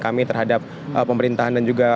kami terhadap pemerintahan dan juga